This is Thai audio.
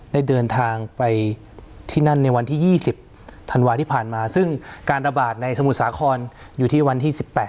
ได้เดินทางไปที่นั่นในวันที่๒๐ธันวาที่ผ่านมาซึ่งการระบาดในสมุทรสาครอยู่ที่วันที่๑๘